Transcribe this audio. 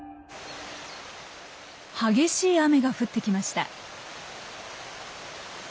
激しい雨が降ってきました。